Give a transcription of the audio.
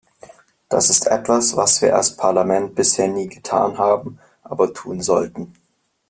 Das ist etwas, was wir als Parlament bisher nie getan haben, aber tun sollten.